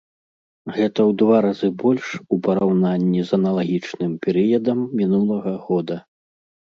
Гэта ў два разы больш у параўнанні з аналагічным перыядам мінулага года.